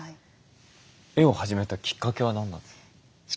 絵を始めたきっかけは何なんですか？